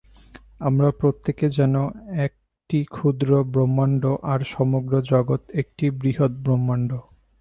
আমরা প্রত্যেকে যেন এক একটি ক্ষুদ্র ব্রহ্মাণ্ড, আর সমগ্র জগৎ একটি বৃহৎ ব্রহ্মাণ্ড।